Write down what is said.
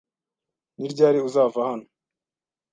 Ni ryari uzava hano?